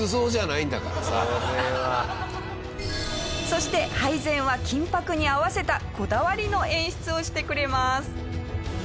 そして配膳は金箔に合わせたこだわりの演出をしてくれます。